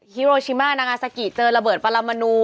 ฮิโรชิมานางาซากิเจอระเบิดปารามนู